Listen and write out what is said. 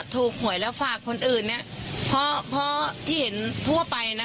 ถูกหวยแล้วฝากคนอื่นเนี้ยเพราะเพราะที่เห็นทั่วไปน่ะ